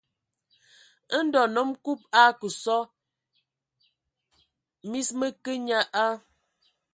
Ndɔ nnom Kub a kǝ sɔ, mis mǝ kǝǝ nye a.